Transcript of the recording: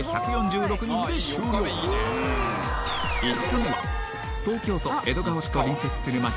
５日目は東京都江戸川区と隣接する街